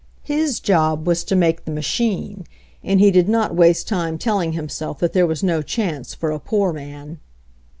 His job was to make the machine, and he did not waste time telling himself that there was no chance for a poor man.